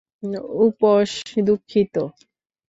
উপস, দুঃখিত।